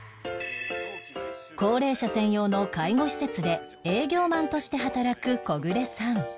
高齢者専用の介護施設で営業マンとして働くコグレさん